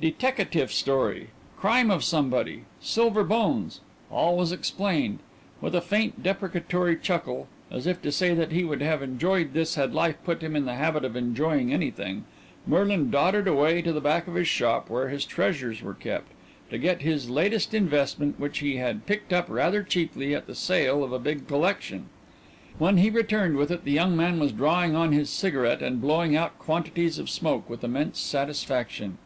Detecatif story! Crime of somebody! Silver Bones! All was explained. With a faint deprecatory chuckle, as if to say that he would have enjoyed this had life put him in the habit of enjoying anything, Merlin doddered away to the back of his shop where his treasures were kept, to get this latest investment which he had picked up rather cheaply at the sale of a big collection. When he returned with it the young man was drawing on his cigarette and blowing out quantities of smoke with immense satisfaction.